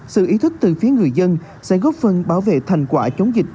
sự ý thức từ phía người dân sẽ góp phần bảo vệ thành quả chống dịch